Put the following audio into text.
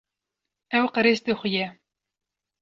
Ew qirêj dixuye.